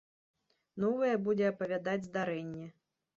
Новае будзе апавядаць здарэнне.